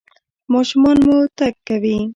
ماشوم مو تګ کوي؟